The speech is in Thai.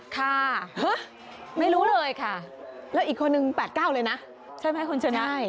ค่ะไม่รู้เลยค่ะแล้วอีกคนนึง๘๙เลยนะใช่ไหมคุณชนะ